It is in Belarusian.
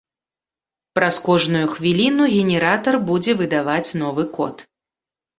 Праз кожную хвіліну генератар будзе выдаваць новы код.